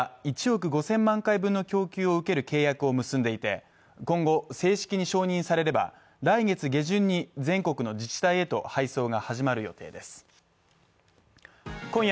受ける契約を結んでいて今後正式に承認されれば来月下旬に全国の自治体へと配送が始まる予定です。